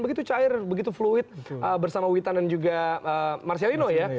begitu cair begitu fluid bersama witan dan juga marcelino ya